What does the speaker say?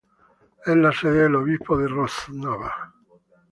Es la sede del obispo de Rožňava.